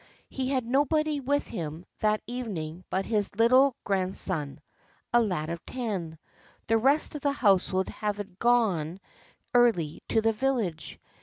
He had nobody with him that evening but his little grand son, a lad of ten ; the rest of the household having gone early to the village.